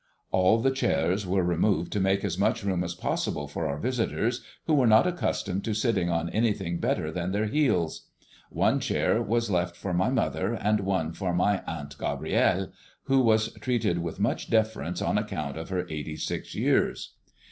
All the chairs were removed to make as much room as possible for our visitors, who were not accustomed to sitting on anything better than their heels. One chair was left for my mother and one for my Aunt Gabrielle, who was treated with much deference on account of her eighty six years.